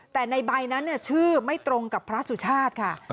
แต่ในใบนั้นชื่อไม่ตรงกับพระสุชาติค่ะ